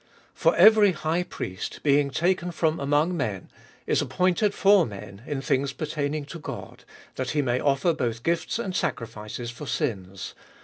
For every high, priest, being taken from among men, is appointed for men in things pertaining to God, that he may offer both gifts and sacrifices for sins: 2.